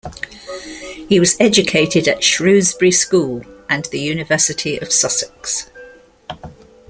He was educated at Shrewsbury School and the University of Sussex.